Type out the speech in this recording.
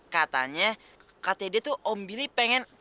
katanya katanya dia tuh om billy pengen